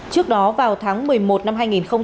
trước đó vào tháng một mươi một năm hai nghìn chín